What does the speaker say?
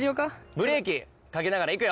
ブレーキかけながら行くよ。